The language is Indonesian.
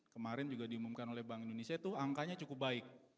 kemarin juga diumumkan oleh bank indonesia itu angkanya cukup baik